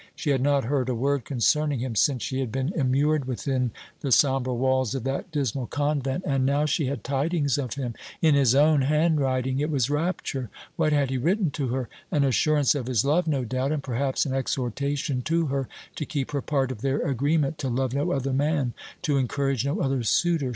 She had not heard a word concerning him since she had been immured within the sombre walls of that dismal convent, and now she had tidings of him in his own handwriting! It was rapture! What had he written to her? An assurance of his love, no doubt, and, perhaps, an exhortation to her to keep her part of their agreement to love no other man, to encourage no other suitor!